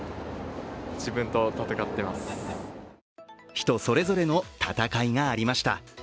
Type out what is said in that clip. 人それぞれの戦いがありました。